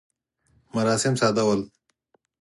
مراسم ساده ول.